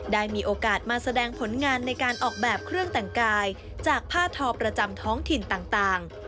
ได้มีโอกาสมาแสดงผลงานในการออกแบบเครื่องแต่งกายจากผ้าทอประจำท้องถิ่นต่าง